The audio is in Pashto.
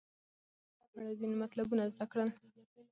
مخکې مو د تودوخې په اړه ځینې مطلبونه زده کړل.